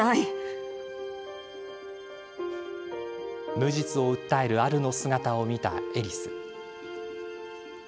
無実を訴えるアルの姿を見たエリス。